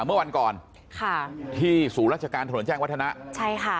เมื่อวันก่อนค่ะที่ศูนย์ราชการถนนแจ้งวัฒนะใช่ค่ะ